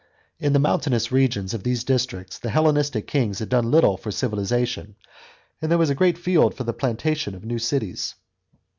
In the mountainous regions of these districts the Hellenistic kings had done little for civilisation, and there was a great field for the plantation of new cities.